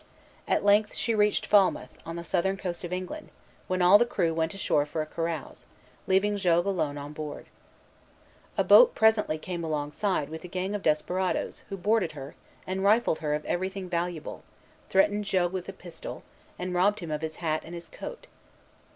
At length she reached Falmouth, on the southern coast of England, when all the crew went ashore for a carouse, leaving Jogues alone on board. A boat presently came alongside with a gang of desperadoes, who boarded her, and rifled her of everything valuable, threatened Jogues with a pistol, and robbed him of his hat and coat.